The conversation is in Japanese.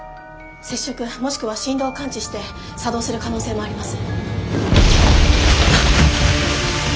接触もしくは振動を感知して作動する可能性もあります。